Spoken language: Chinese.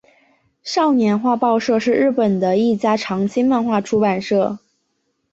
少年画报社是日本的一家长青漫画出版社。